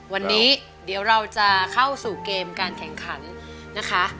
วันนี้เดี๋ยวเราจะเข้าสู่เกมการแข่งขันนะคะ